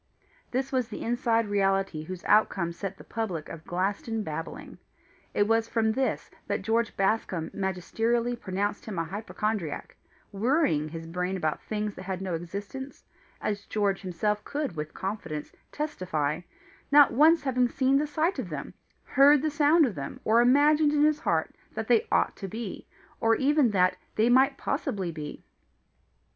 This was the inside reality whose outcome set the public of Glaston babbling. It was from this that George Bascombe magisterially pronounced him a hypochondriac, worrying his brain about things that had no existence as George himself could with confidence testify, not once having seen the sight of them, heard the sound of them, or imagined in his heart that they ought to be, or even that they might possibly be.